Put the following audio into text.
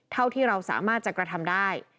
เท่าที่เราสามารถจะกระทำได้